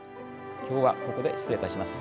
今日はここで失礼いたします。